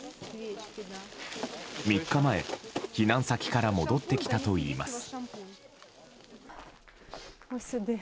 ３日前、避難先から戻ってきたといいます。